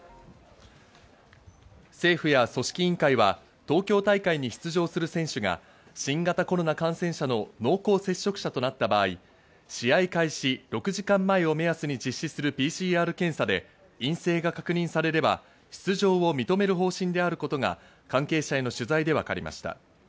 政府や組織委員会は東京大会に出場する選手が新型コロナ感染者の濃厚接触者となった場合、試合開始６時間前を目安に実施するＰＣＲ検査で陰性が確認されれば出場を認める方針であることが関係者への取材でわかりました。